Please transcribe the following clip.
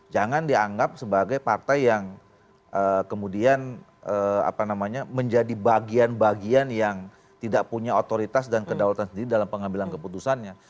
jangan dianggap sebagai partai yang kemudian menjadi bagian bagian yang tidak punya otoritas dan kedaulatan sendiri dalam pengambilan keputusannya